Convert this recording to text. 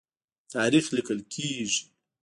تاریخ لیکل کیږي.